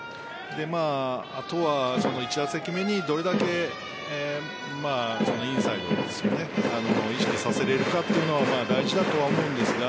あとは１打席目にどれだけインサイドを意識させられるかというのが大事だと思うんですが。